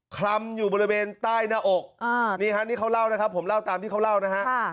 คลำอยู่บริเวณใต้หน้าอกนี่ฮะนี่เขาเล่านะครับผมเล่าตามที่เขาเล่านะฮะ